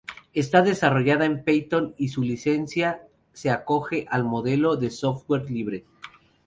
Está desarrollada en python y su licencia se acoge al modelo de software libre.